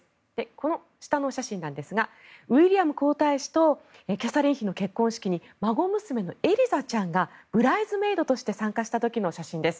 この下の写真なんですがウィリアム皇太子とキャサリン妃の結婚式に孫娘のエリザちゃんがブライズメイドとして参加した時の写真です。